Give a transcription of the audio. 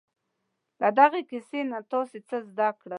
له دغې کیسې نه تاسې څه زده کړل؟